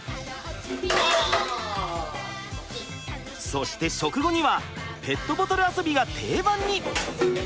そして食後にはペットボトル遊びが定番に！